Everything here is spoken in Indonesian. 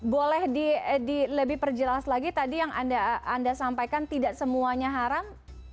boleh lebih perjelas lagi tadi yang anda sampaikan tidak semuanya haram